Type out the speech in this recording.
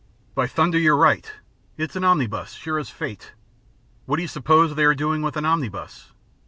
"By thunder, you're right. It's an omnibus, sure as fate. What do you suppose they are doing with an omnibus?